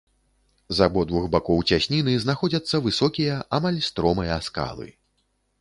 З абодвух бакоў цясніны знаходзяцца высокія, амаль стромыя, скалы.